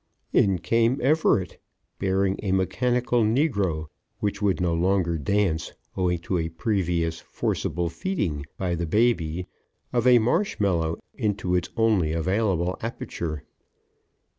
In came Everett, bearing a mechanical negro which would no longer dance, owing to a previous forcible feeding by the baby of a marshmallow into its only available aperture.